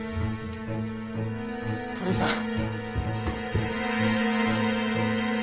鳥居さん。